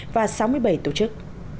và sáu mươi bảy tổ chức